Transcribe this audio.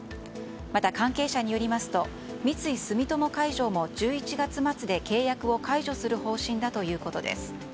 また、関係者によりますと三井住友海上も１１月末で契約を解除する方針だということです。